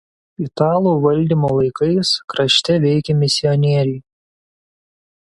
Italų valdymo laikais krašte veikė misionieriai.